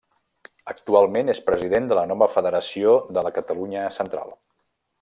Actualment és president de la nova Federació de la Catalunya Central.